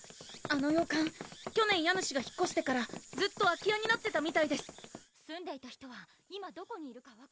去年家主が引っこしてからずっと空き家になってたみたいですすんでいた人は今どこにいるか分からないんだけど